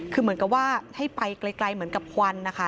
คือเหมือนกับว่าให้ไปไกลเหมือนกับควันนะคะ